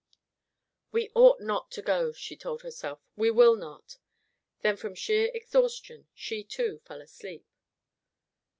"We ought not to go," she told herself. "We will not." Then, from sheer exhaustion, she too, fell asleep.